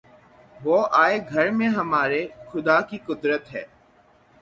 وہ آئے گھر میں ہمارے‘ خدا کی قدرت ہے!